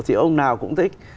thì ông nào cũng thích